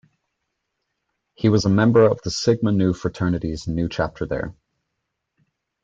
He was a member of the Sigma Nu fraternity's Nu Chapter there.